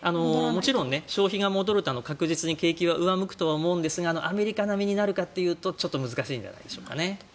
もちろん消費が戻ると確実に景気は上向くと思うんですがアメリカ並みになるかというとちょっと難しいんじゃないでしょうかね。